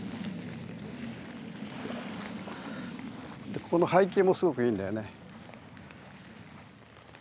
でこの背景もすごくいいんだよね。